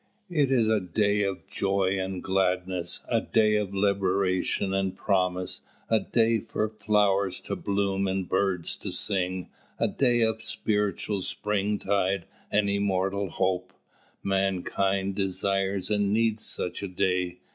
It is a day of joy and gladness, a day of liberation and promise, a day for flowers to bloom and birds to sing, a day of spiritual spring tide and immortal hope. Mankind desires and needs such a day.